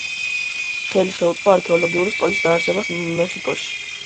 ხელი შეუწყო არქეოლოგიური სკოლის დაარსებას მეხიკოში.